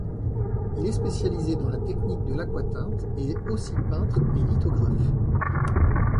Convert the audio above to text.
Il est spécialisé dans la technique de l’aquatinte et est aussi peintre et lithographe.